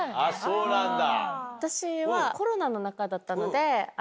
そうなんだ。